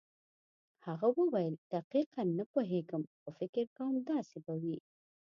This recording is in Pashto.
هغه وویل دقیقاً نه پوهېږم خو فکر کوم داسې به وي.